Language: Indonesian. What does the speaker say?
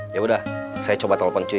yaudah saya coba telepon cuy